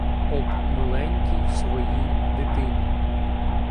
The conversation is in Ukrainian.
Об миленькій своїй дитині